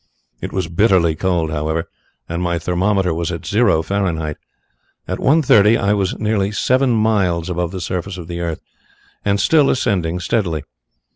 It was bitterly cold, however, and my thermometer was at zero, Fahrenheit. At one thirty I was nearly seven miles above the surface of the earth, and still ascending steadily.